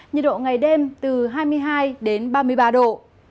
nhiệt độ ngày đêm từ hai mươi hai đến ba mươi ba độ